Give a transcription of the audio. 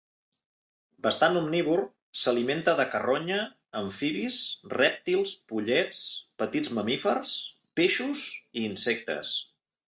Bastant omnívor, s'alimenta de carronya, amfibis, rèptils, pollets, petits mamífers, peixos i insectes.